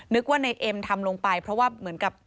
นึกว่านายเอ็มทำลงไปเพราะว่าเหมือนกับ